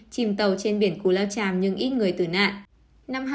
chìm tàu trên biển cú lao tràm nhưng ít người tử nạn